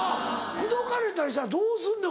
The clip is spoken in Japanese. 口説かれたりしたらどうすんねん？